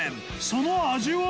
その味は？